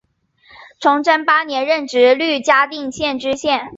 崇祯八年任直隶嘉定县知县。